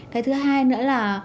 cái thứ hai nữa là